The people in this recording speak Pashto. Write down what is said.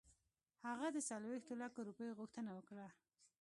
هغه د څلوېښتو لکو روپیو غوښتنه وکړه.